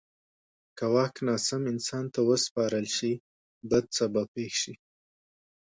که واک ناسم انسان ته وسپارل شي، بد څه به پېښ شي.